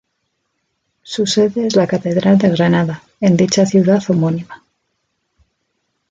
Su sede es la Catedral de Granada en dicha ciudad homónima.